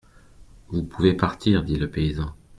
Vous pouvez partir, dit le paysan.